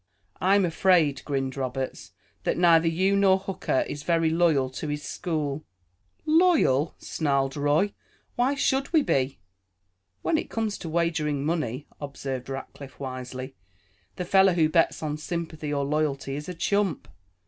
"I'm afraid," grinned Roberts, "that neither you nor Hooker is very loyal to his school." "Loyal!" snarled Roy. "Why should we be?" "When it comes to wagering money," observed Rackliff wisely, "the fellow who bets on sympathy or loyalty is a chump.